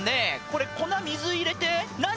これ粉水入れて何？